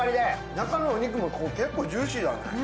中のお肉も結構ジューシーだね。